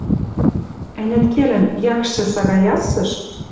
Ӓнят, келӹн «якшӹ» сага Яссыш